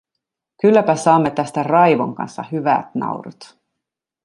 Kylläpä saamme tästä Raivon kanssa hyvät naurut.